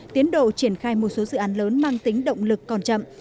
tiến độ triển khai một số dự án lớn mang tính động lực còn chậm